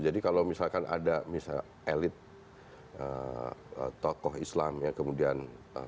jadi kalau misalkan ada elit tokoh islam yang kemudian